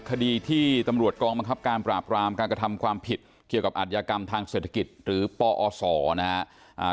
คดีที่ตำรวจกองบังคับการปราบรามการกระทำความผิดเกี่ยวกับอัธยากรรมทางเศรษฐกิจหรือปอศนะครับ